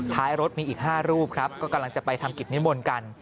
ท้ายรถมีอีก๕รูปครับก็กำลังจะไปทำกิจนิมนต์กัน